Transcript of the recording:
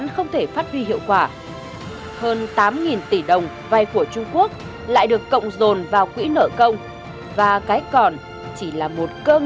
không trọng điểm